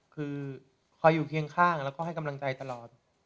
คือคอยอยู่เคียงข้างแล้วก็ให้กำลังใจตลอด